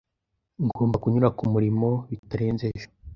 Ngomba kunyura kumurimo bitarenze ejo.